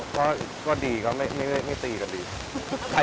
คือเราคุยกันเหมือนเดิมตลอดเวลาอยู่แล้วไม่ได้มีอะไรสูงแรง